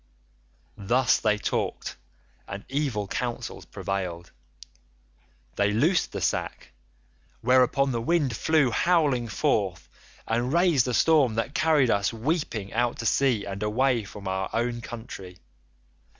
"Thus they talked and evil counsels prevailed. They loosed the sack, whereupon the wind flew howling forth and raised a storm that carried us weeping out to sea and away from our own country.